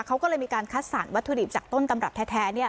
เขาก็เลยมีการคัดสรรวัตถุดิบจากต้นตำรับแท้